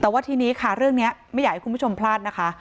แต่ว่าทีนี้ค่ะเรื่องนี้ไม่อยากให้คุณผู้ชมพลาดนะคะ